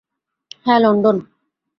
হ্যাঁ, লন্ডন।